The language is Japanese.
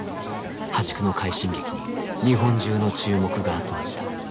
破竹の快進撃に日本中の注目が集まった。